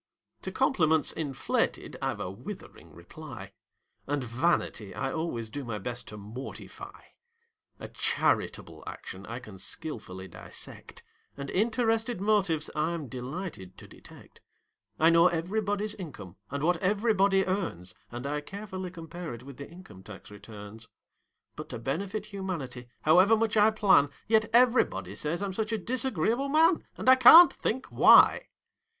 To compliments inflated I've a withering reply; And vanity I always do my best to mortify; A charitable action I can skilfully dissect: And interested motives I'm delighted to detect. I know everybody's income and what everybody earns, And I carefully compare it with the income tax returns; But to benefit humanity, however much I plan, Yet everybody says I'm such a disagreeable man! And I can't think why!